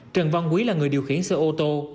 trần văn quý là người điều khiển xe ô tô